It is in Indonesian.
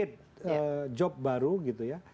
eat job baru gitu ya